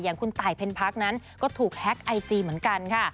คุณตายเพ็ญพักนั้นก็ถูกแฮ็กไอจีเหมือนกันค่ะ